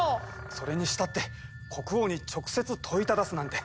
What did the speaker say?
それにしたって国王に直接問いただすなんて。